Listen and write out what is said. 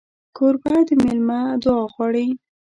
کوربه د مېلمه دعا غواړي.